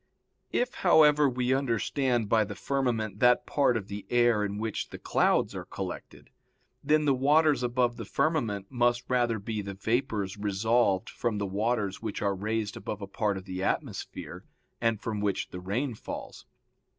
If, however, we understand by the firmament that part of the air in which the clouds are collected, then the waters above the firmament must rather be the vapors resolved from the waters which are raised above a part of the atmosphere, and from which the rain falls.